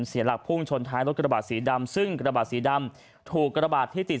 เสียหลักพุ่งชนท้ายรถกระบาดสีดำซึ่งกระบาดสีดำถูกกระบาดที่ติด